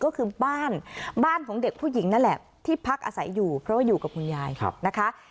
ก็คือบ้านบ้านของเด็กผู้หญิงนั่นแหละที่พักอาศัยอยู่เพราะว่าอยู่กับคุณยายนะคะ